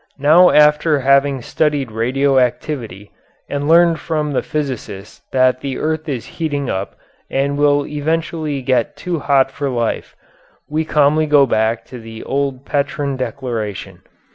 Now after having studied radioactivity and learned from the physicist that the earth is heating up and will eventually get too hot for life, we calmly go back to the old Petrine declaration.